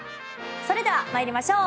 それでは参りましょう。